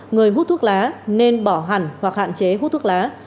người hút thuốc lá nên bỏ hẳn hoặc hạn chế hút thuốc lá